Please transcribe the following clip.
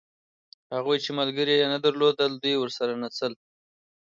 هغوی چې ملګري یې نه درلودل دوی ورسره نڅل.